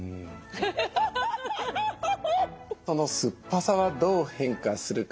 その酸っぱさはどう変化するか。